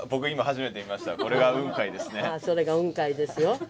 それが雲海ですよ。